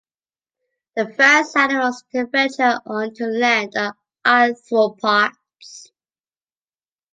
The first animals to venture onto land are arthropods.